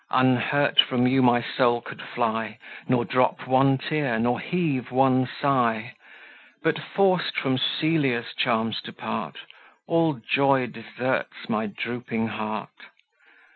Unhurt from you my soul could fly, Nor drop one tear, nor heave one sigh; But forced from Celia's charms to part, All joy deserts my drooping heart.